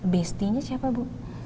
bestinya siapa bu